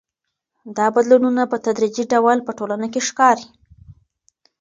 دا بدلونونه په تدريجي ډول په ټولنه کي ښکاري.